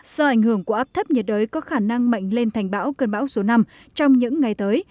do ảnh hưởng của áp thấp nhiệt đới có khả năng mạnh lên thành bão cơn bão số năm trong những ngày tới